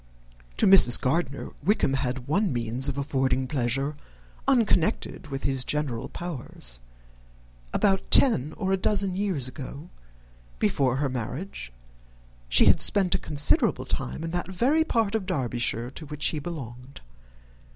To Mrs. Gardiner, Wickham had one means of affording pleasure, unconnected with his general powers. About ten or a dozen years ago, before her marriage, she had spent a considerable time in that very part of Derbyshire to which he belonged.